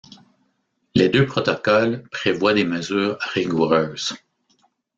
Les deux protocoles prévoient des mesures rigoureuses.